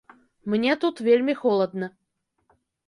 Мне тут вельмі холадна.